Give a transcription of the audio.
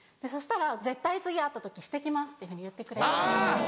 そしたら「絶対次会った時して来ます」って言ってくれて。